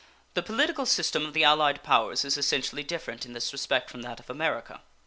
The political system of the allied powers is essentially different in this respect from that of America.